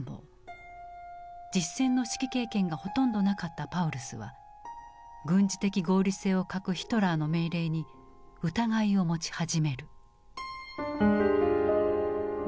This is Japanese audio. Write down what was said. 実戦の指揮経験がほとんどなかったパウルスは軍事的合理性を欠くヒトラーの命令に疑いを持ち始める。